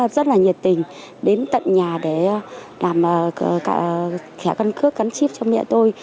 rất là nhiệt tình đến tận nhà để làm khẽ căn cước cắn chip cho mẹ tôi